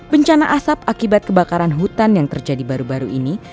bencana asap akibat kebakaran hutan yang terjadi baru baru ini